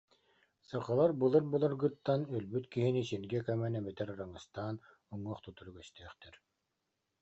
Сахалар былыр-былыргыттан өлбүт киһини сиргэ көмөн эбэтэр араҥастаан уҥуох тутар үгэстээхтэр